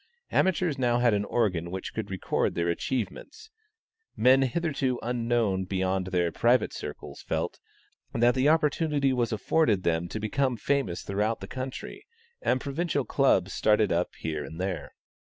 Amateurs now had an organ which could record their achievements; men hitherto unknown beyond their private circles felt, that the opportunity was afforded them to become famous throughout the country, and provincial clubs started up here and there.